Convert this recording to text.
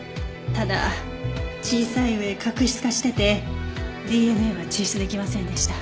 ただ小さい上角質化しててＤＮＡは抽出できませんでした。